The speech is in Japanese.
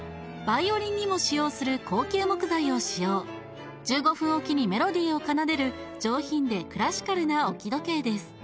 バイオリンにも使用する高級木材を使用１５分おきにメロディーを奏でる上品でクラシカルな置き時計です